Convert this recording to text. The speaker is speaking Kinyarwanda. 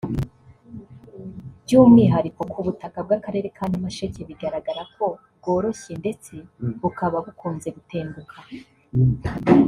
by’umwihariko ku butaka bw’akarere ka Nyamasheke bigaragara ko bworoshye ndetse bukaba bukunze gutenguka